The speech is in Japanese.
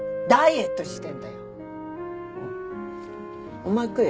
お前食え。